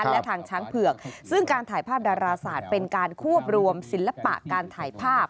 และทางช้างเผือกซึ่งการถ่ายภาพดาราศาสตร์เป็นการควบรวมศิลปะการถ่ายภาพ